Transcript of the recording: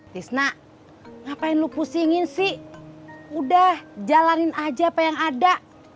tisna ngapain lu pusingin sih udah jalanin aja apa yang ada